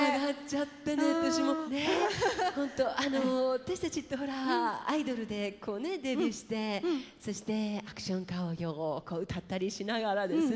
私たちってほらアイドルでデビューしてそしてアクション歌謡を歌ったりしながらですね。